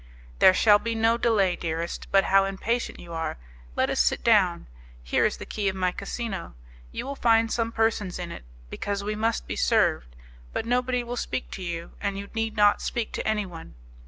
"There shall be no delay, dearest; but how impatient you are! Let us sit down. Here is the key of my casino. You will find some persons in it, because we must be served; but nobody will speak to you, and you need not speak to anyone.